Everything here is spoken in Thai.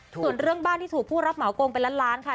ส่วนเรื่องบ้านที่ถูกผู้รับเหมาโกงเป็นล้านล้านค่ะ